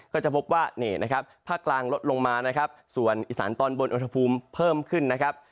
ก็จะพบว่านี่นะครับภาคกลางลดลงมานะครับส่วนอีสานตอนบนอุณหภูมิเพิ่มขึ้นนะครับ